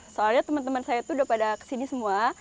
soalnya teman teman saya itu udah pada kesini semua